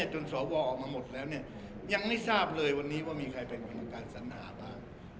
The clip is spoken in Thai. จนสอวอลออกมาหมดแล้วยังไม่ทราบเลยวันนี้ว่ามีใครเป็นการสัญหาภาพ